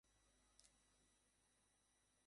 মা এবং বাচ্চা ভালো আছে।